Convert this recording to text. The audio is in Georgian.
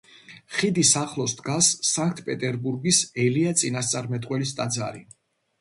ხიდის ახლოს დგას სანქტ-პეტერბურგის ელია წინასწარმეტყველის ტაძარი.